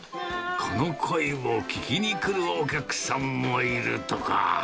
この声を聞きに来るお客さんもいるとか。